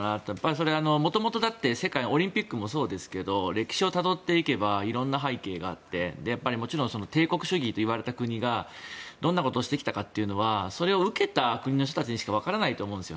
それは元々オリンピックもそうですけど歴史をたどっていけば色んな背景があってもちろん帝国主義といわれた国がどんなことをしてきたかというのはそれを受けた国の人たちにしかわからないと思うんですよ。